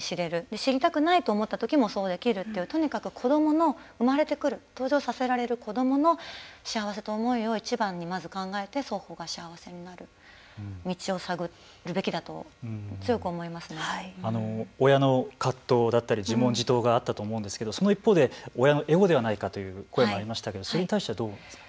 知りたくないと思ったときもそうできるというとにかく子どもの、生まれてくる登場させられる子どもの幸せと思いを一番に、まず考えて双方が幸せになる道を探るべきだと親の葛藤だったり自問自答があったと思うんですけれどもその一方で親のエゴではないかという声もありましたけどそれに対してはどう思いますか。